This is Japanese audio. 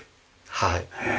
はい。